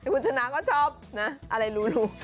คุณชนะก็ชอบนะอะไรรู้